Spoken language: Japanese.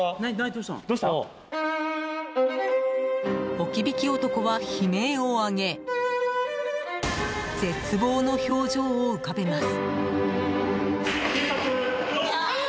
置き引き男は悲鳴を上げ絶望の表情を浮かべます。